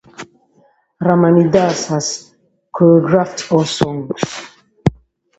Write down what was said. Ramani Das has choreographed all songs.